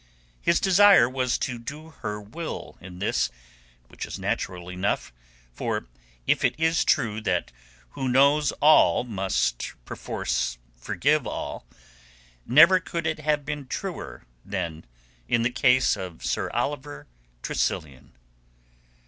His desire was to do her will in this, which is natural enough—for if it is true that who knows all must perforce forgive all, never could it have been truer than in the case of Sir Oliver Tressilian.